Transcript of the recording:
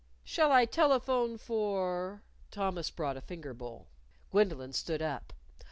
"Shall I telephone for ?" Thomas brought a finger bowl. Gwendolyn stood up.